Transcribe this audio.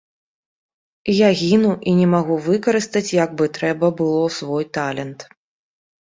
Я гіну і не магу выкарыстаць як бы трэба было свой талент.